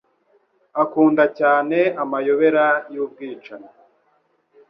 Akunda cyane amayobera yubwicanyi.